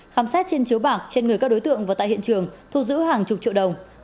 khám xét trên chiếu bạc trên người các đối tượng và tại hiện trường thu giữ hàng chục triệu đồng